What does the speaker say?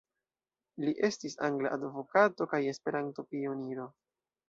Li estis angla advokato kaj Esperanto-pioniro.